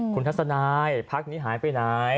คุณทัศนายพักนี้หายไปไหน